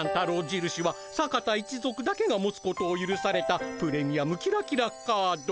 じるしは坂田一族だけが持つことをゆるされたプレミアムキラキラカード。